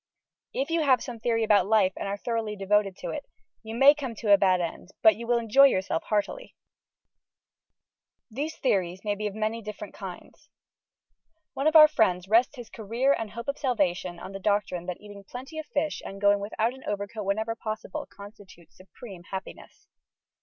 If you have some Theory about Life, and are thoroughly devoted to it, you may come to a bad end, but you will enjoy yourself heartily. These theories may be of many different kinds. One of our friends rests his career and hope of salvation on the doctrine that eating plenty of fish and going without an overcoat whenever possible constitute supreme happiness.